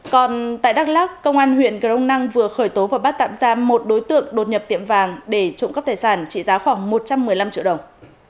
còn tại đắk lắc công an huyện grong năng vừa khởi tố và bắt tạm giam một đối tượng đột nhập tiệm vàng để trộm cắp tài sản trị giá khoảng một trăm một mươi năm triệu đồng